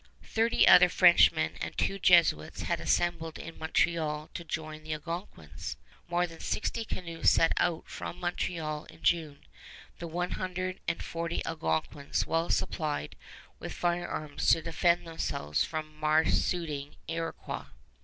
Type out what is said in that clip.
Thirty other Frenchmen and two Jesuits had assembled in Montreal to join the Algonquins. More than sixty canoes set out from Montreal in June, the one hundred and forty Algonquins well supplied with firearms to defend themselves from marauding Iroquois.